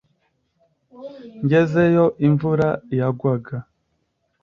Ngezeyo imvura yagwaga